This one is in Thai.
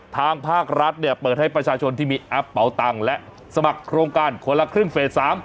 ทางภาครัฐเนี่ยเปิดให้ประชาชนที่มีแอปเป่าตังค์และสมัครโครงการคนละครึ่งเฟส๓